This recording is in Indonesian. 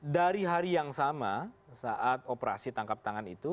dari hari yang sama saat operasi tangkap tangan itu